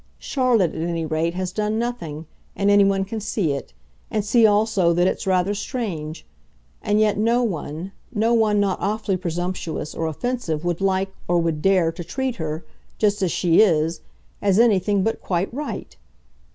Charlotte, at any rate, has done nothing, and anyone can see it, and see also that it's rather strange; and yet no one no one not awfully presumptuous or offensive would like, or would dare, to treat her, just as she is, as anything but quite RIGHT.